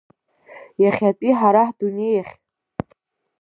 Иахьатәи ҳара ҳдунеиахь?